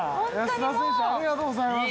ありがとうございます。